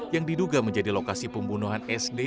yang diduga menjadi lokasi pembunuhan sd